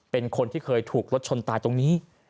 เป็นคนที่เคยถูกรถชนตายตรงนี้